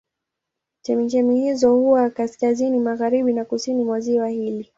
Chemchemi hizo huwa kaskazini magharibi na kusini mwa ziwa hili.